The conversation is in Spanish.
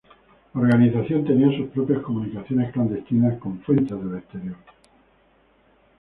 La organización tenía sus propias comunicaciones clandestinas con fuentes del exterior.